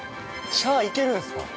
◆シャー、いけるんすか。